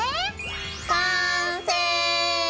完成！